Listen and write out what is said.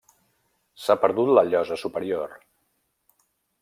S'ha perdut la llosa superior.